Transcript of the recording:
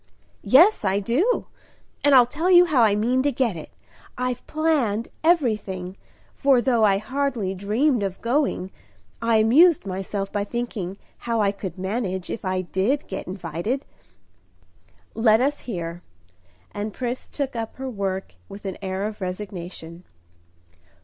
"Yes, I do, and I'll tell you how I mean to get it. I've planned everything; for, though I hardly dreamed of going, I amused myself by thinking how I could manage if I did get invited." "Let us hear." And Pris took up her work with an air of resignation.